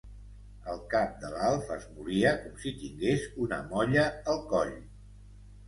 El cap de l'Alf es movia com si tingués una molla al coll.